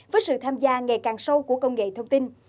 với sự tham gia ngày càng sâu của công nghệ thông tin